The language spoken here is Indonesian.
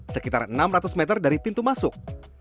sekitar enam ratus meter dari pintu masuk